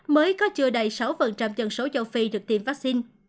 mới có chưa đầy sáu dân số châu phi được tiêm vaccine